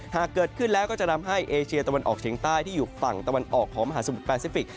หากเกิดขึ้นแล้วก็จะทำให้เอเชียตะวันออกเฉียงใต้ที่อยู่ฝั่งตะวันออกของมหาสมุทรแปซิฟิกส